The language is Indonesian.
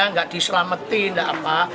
tidak diselamati tidak apa apa